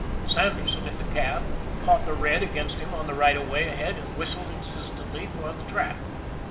Sanderson, in the cab, caught the red against him on the right of way ahead, and whistled insistently for the track.